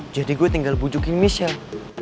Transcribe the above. jadi gue tinggal bujukin michelle